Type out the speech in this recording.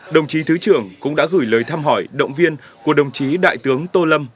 đồng chí thứ trưởng cũng đã gửi lời thăm hỏi động viên của đồng chí đại tướng tô lâm